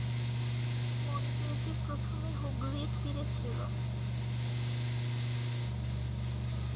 মন্দিরটি প্রথমে হুগলির তীরে ছিল।